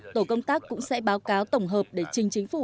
tổ công tác cũng sẽ báo cáo tổng hợp để trình chính phủ